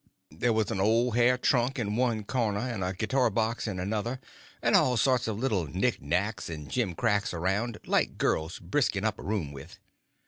There was an old hair trunk in one corner, and a guitar box in another, and all sorts of little knickknacks and jimcracks around, like girls brisken up a room with.